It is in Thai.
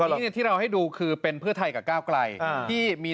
ตอนนี้ที่เราให้ดูคือเป็นเพื่อไทยกับก้าวไกลที่มี